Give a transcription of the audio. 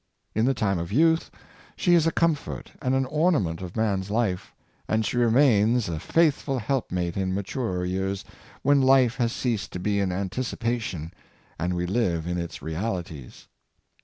In the time of youth, she is a comfort and an ornament of man's life; and she remains a faithful helpmate in maturer years, when life has ceased to be an anticipa tion, and we live in its realities.